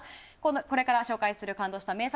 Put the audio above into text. これから紹介する感動名作